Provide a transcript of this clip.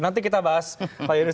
nanti kita bahas pak yunus